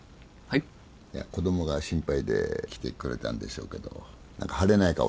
いや子供が心配で来てくれたんでしょうけど何か晴れない顔してますね。